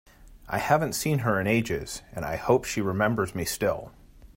I haven’t seen her in ages, and I hope she remembers me still!